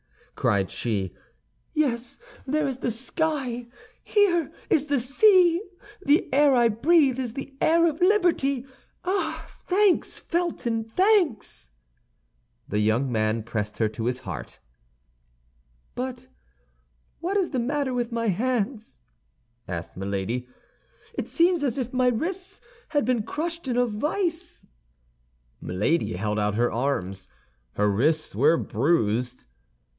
cried she. "Yes, there is the sky; here is the sea! The air I breathe is the air of liberty! Ah, thanks, Felton, thanks!" The young man pressed her to his heart. "But what is the matter with my hands!" asked Milady; "it seems as if my wrists had been crushed in a vice." Milady held out her arms; her wrists were bruised.